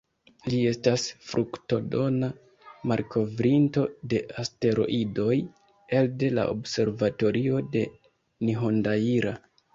Li estas fruktodona malkovrinto de asteroidoj elde la observatorio de Nihondaira.